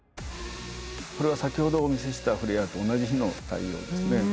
これは先ほどお見せしたフレアと同じ日の太陽ですね。